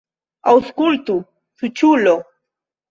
Aŭskultu, suĉulo!